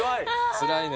・つらいね。